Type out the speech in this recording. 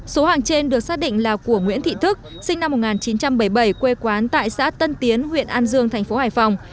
số hàng trên được xác định là của nguyễn thị thức sinh năm một nghìn chín trăm bảy mươi bảy quê quán tại xã tân tiến huyện an dương thành phố hải phòng